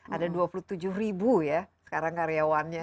ada dua puluh tujuh ribu ya sekarang karyawannya